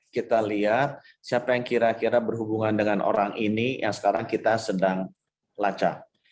kita lihat siapa yang kira kira berhubungan dengan orang ini yang sekarang kita sedang lacak